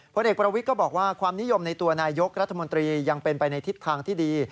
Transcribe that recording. ผลเอกประวิทย์ก็บอกว่าความนิยมในตัวนายกรัฐมนตรียังเป็นไปในทิศทางที่ดี